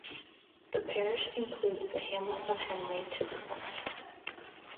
The parish includes the hamlet of Henley to the north.